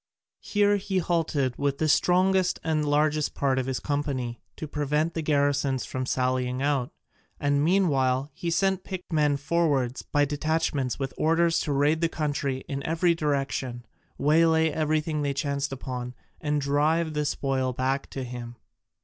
Here he halted with the strongest and largest part of his company, to prevent the garrisons from sallying out, and meanwhile he sent picked men forward by detachments with orders to raid the country in every direction, waylay everything they chanced upon, and drive the spoil back to him.